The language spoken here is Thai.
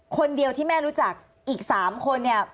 คนเดียวที่แม่รู้จักอีกสามคน